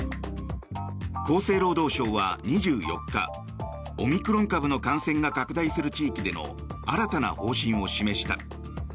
厚生労働省は２４日オミクロン株の感染が拡大する地域での新たな方針を示した。